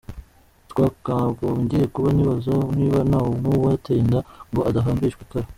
twakagombye kuba nibaza niba ntanuwo yateye inda ngo adahambishwa ikara.